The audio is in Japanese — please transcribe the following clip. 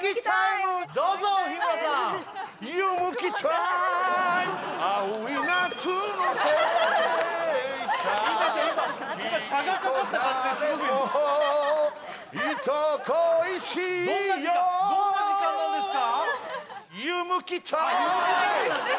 どんな時間なんですか？